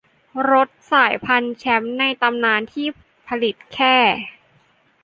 รถสายพันธุ์แชมป์ในตำนานที่ผลิตแค่